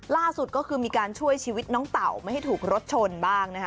ล่าสุดก็คือมีการช่วยชีวิตน้องเต่าไม่ให้ถูกรถชนบ้างนะคะ